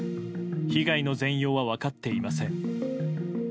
被害の全容は分かっていません。